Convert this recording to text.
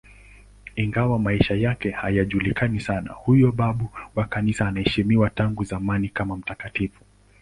Ingawa maisha yake hayajulikani sana, huyo babu wa Kanisa anaheshimiwa tangu zamani kama mtakatifu.